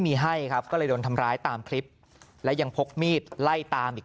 มีให้ครับก็เลยโดนทำร้ายตามคลิปและยังพกมีดไล่ตามอีก